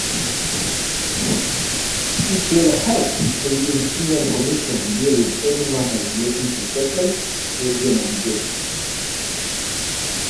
It will help the European Commission deal with any matters relating to satellite radio-navigation.